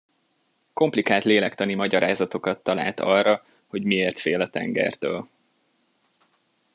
Komplikált lélektani magyarázatokat talált arra, hogy miért fél a tengertől.